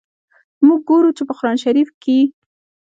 موږ ګورو چي، په قرآن شریف کي.